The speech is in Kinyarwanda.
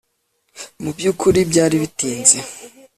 mubyukuri, byari bitinze